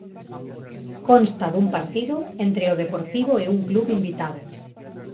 Consta dun partido entre o Deportivo e un club invitado.